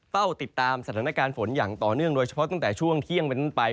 เฝ้าติดตามสถานการณ์ฝนอย่างต่อเนื่องโดยเฉพาะตั้งแต่ช่วงเที่ยงเป็นไป